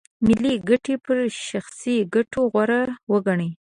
ملي ګټې پر شخصي ګټو غوره وګڼي.